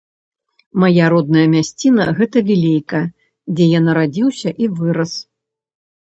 Мая родная мясціна - гэта вілейка, дзе я нарадзіўся і вырас.